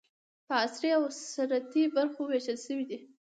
په عصري او سنتي برخو وېشل شوي دي.